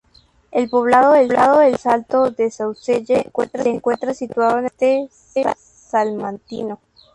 El poblado del Salto de Saucelle se encuentra situado en el noroeste salmantino.